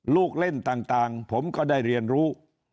ลูกเล่นต่างผมก็ได้เรียนรู้